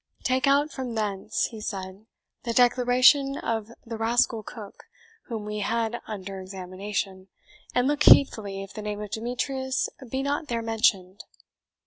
"Take out from thence," he said, "the declaration of the rascal cook whom we had under examination, and look heedfully if the name of Demetrius be not there mentioned."